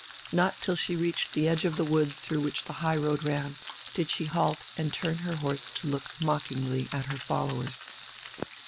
Not till she reached the edge of the wood through which the high road ran did she halt and turn her horse to look mockingly at her followers.